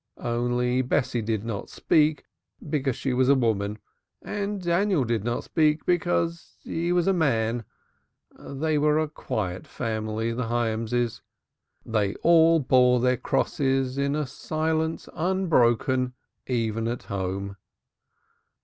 Only Bessie did not speak because she was a woman and Daniel did not speak because he was a man. They were a quiet family the Hyamses. They all bore their crosses in a silence unbroken even at home.